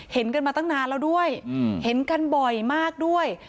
เห็นกันมาตั้งนานแล้วด้วยเห็นกันบ่อยมากด้วย